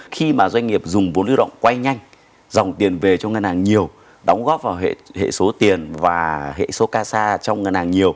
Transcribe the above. khi mà doanh nghiệp dùng vốn lưu động quay nhanh dòng tiền về cho ngân hàng nhiều đóng góp vào hệ số tiền và hệ số ca xa trong ngân hàng nhiều